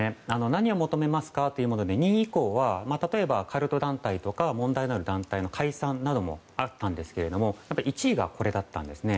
何を求めますかということで２位以降は、カルト団体とか問題のある団体の解散などもあったんですけども１位がこれだったんですね。